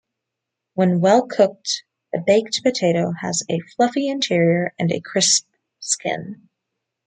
When well cooked, a baked potato has a fluffy interior and a crisp skin.